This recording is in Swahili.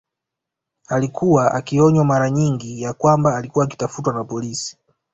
Alikuwa akionywa maranyingi ya kwamba alikuwa akifuatiliwa na polisi